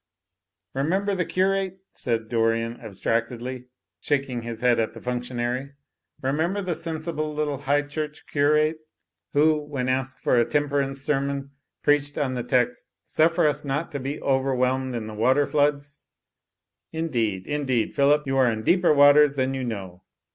"Remember the curate!" said Dorian, abstractedly THE POET IN PARLIAMENT 219 shaking his head at the functionary, "remember the sensible little High Church curate, who when asked for a Temperance Sermon preached on the text 'Suffer us not to be overwhelmed in the water floods/ Indeed, indeed, Phillip, you are in deeper waters than you know.